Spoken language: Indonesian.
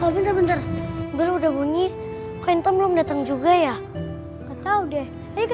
bentar bentar belum udah bunyi kok belum datang juga ya atau deh